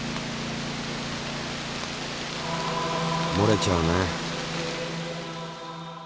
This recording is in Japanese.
もれちゃうね。